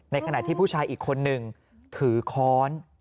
ขณะที่ผู้ชายอีกคนนึงถือค้อน